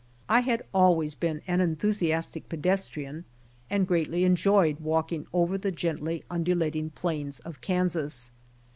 I had always been an enthusiastic pedestrian and greatly enjoyed walking over the gently undulating plains of Kansas.